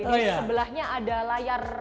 sebelahnya ada layar